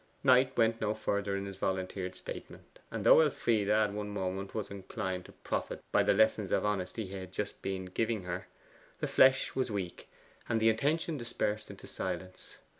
Knight went no further in his volunteered statement, and though Elfride at one moment was inclined to profit by the lessons in honesty he had just been giving her, the flesh was weak, and the intention dispersed into silence.